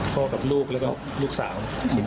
กับลูกแล้วก็ลูกสาว